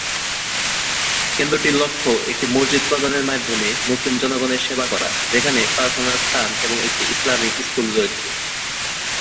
কেন্দ্রটির লক্ষ্য একটি মসজিদ প্রদানের মাধ্যমে মুসলিম জনগণের সেবা করা, যেখানে প্রার্থনার স্থান এবং একটি ইসলামিক স্কুল রয়েছে।